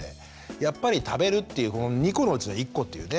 やっぱり食べるっていうこの２個のうちの１個っていうね。